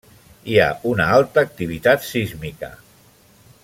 Hi ha una alta activitat sísmica.